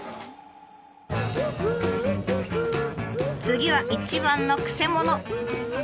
次は一番のくせ者。